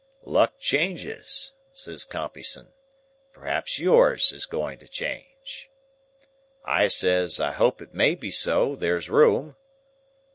"'Luck changes,' says Compeyson; 'perhaps yours is going to change.' "I says, 'I hope it may be so. There's room.